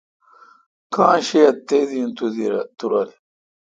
کاں شہ اؘ تیدی این تو رل۔